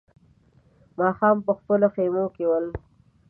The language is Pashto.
ماښام په خپلو خيمو کې ول.